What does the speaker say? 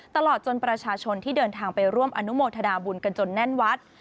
ตลอดจนประชาชนที่เดินทางไปร่วมอนุโมทนาบุญกันจนแน่นวัด